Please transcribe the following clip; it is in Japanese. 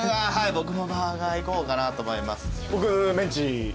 僕もバーガーいこうかなと思います。